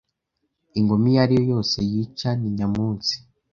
Ingoma iyo ariyo yose yica ni nyamunsi